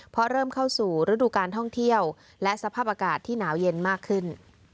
เพราะเริ่มเข้าสู่ฤดูการท่องเที่ยวและสภาพอากาศที่หนาวเย็นมากขึ้น